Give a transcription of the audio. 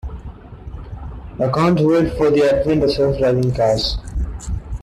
I can't wait for the advent of self driving cars.